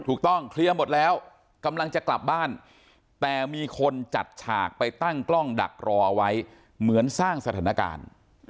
เคลียร์หมดแล้วกำลังจะกลับบ้านแต่มีคนจัดฉากไปตั้งกล้องดักรอเอาไว้เหมือนสร้างสถานการณ์